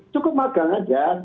cukup magang saja